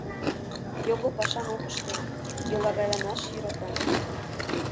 — Його пашам ок ыште, йолагайланаш йӧрата.